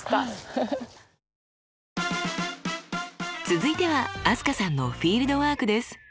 続いては飛鳥さんのフィールドワークです。